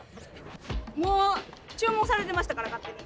もう注文されてましたから勝手に。